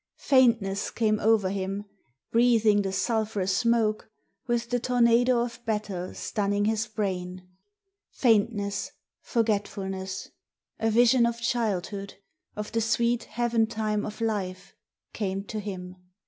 Faintness came over him, breathing the sulphurous smoke, with the tornado of battle stunning his brain Faintness forgetfulness. A vision of childhood, of the sweet Heaven time of life, came to him...